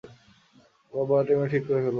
সব ভাড়াটিয়া মিলে, ঠিক করে ফেলবো।